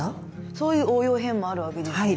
そういう応用編もあるわけですね。